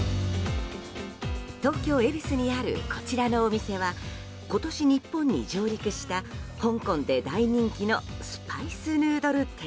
東京・恵比寿にあるこちらのお店は今年、日本に上陸した香港で大人気のスパイスヌードル店。